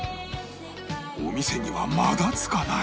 お店にはまだ着かない